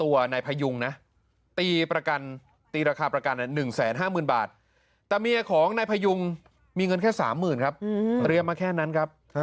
ส่วนช่วงเย็นเมื่อวานนี้